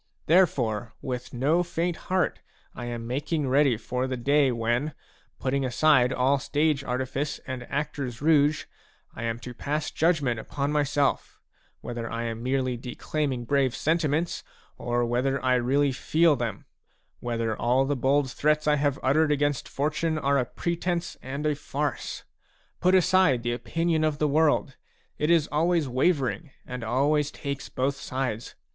Therefore with no faint heart I am making ready for the day when, putting aside all stage artifice and actor's rouge, I am to pass judgment upon myself, — whether I am merely declaiming brave sentiments, or whether I really feel them ; whether all the bold threats I have uttered against fortune are a pretence and a farce. Put aside the opinion of the world; it is always wavering and always takes both sides.